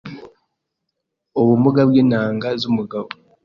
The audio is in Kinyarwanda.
Ubumuga bw’intanga zumugabo